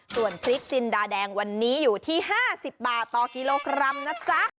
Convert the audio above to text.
ส่วนพริกจินดาแดงวันนี้อยู่ที่๕๐บาทต่อกิโลกรัมนะจ๊ะ